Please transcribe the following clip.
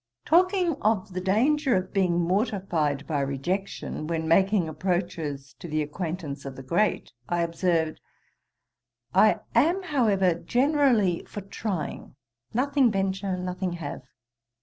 Talking of the danger of being mortified by rejection, when making approaches to the acquaintance of the great, I observed: 'I am, however, generally for trying, "Nothing venture, nothing have."'